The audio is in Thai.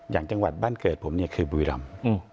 อย่างจังหวัดบ้านเกิดผมเนี่ยคือบุรีรำ